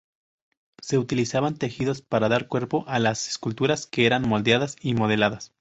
Se utilizaban tejidos para dar cuerpo a las esculturas que eran moldeadas y modeladas.